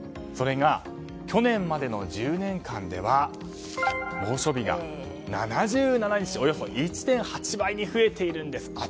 それが去年までの１０年間では猛暑日が７７日およそ１．８倍に増えているんです。